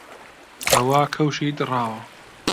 ئەوە کەوشی دڕاوە